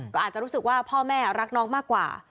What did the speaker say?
ก็อาจจะรู้สึกว่าพ่อแม่รักน้องมากกว่า